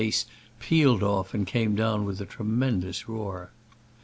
face peeled off and came down with a tremendous roar.